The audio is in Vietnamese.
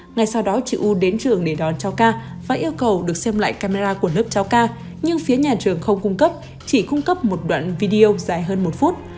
ngày sau đó chị u đến trường để đón cháu ca và yêu cầu được xem lại camera của lớp cháu ca nhưng phía nhà trường không cung cấp chỉ cung cấp một đoạn video dài hơn một phút